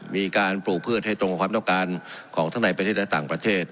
มีการปลูกพืชให้ตรงกับความต้องการของทั้งในประเทศและต่างประเทศ